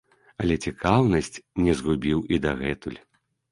Але цікаўнасць не згубіў і дагэтуль.